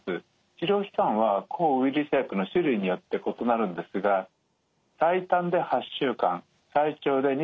治療期間は抗ウイルス薬の種類によって異なるんですが最短で８週間最長で２４週間です。